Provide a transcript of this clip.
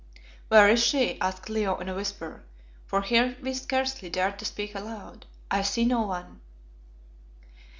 "Where is she?" asked Leo, in a whisper, for here we scarcely dared to speak aloud. "I see no one."